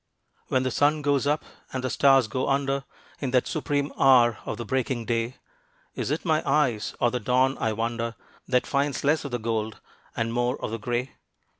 When the sun goes up, and the stars go under, In that supreme hour of the breaking day, Is it my eyes, or the dawn I wonder, That finds less of the gold, and more of the gray?